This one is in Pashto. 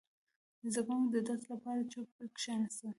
• زده کوونکي د درس لپاره چوپ کښېناستل.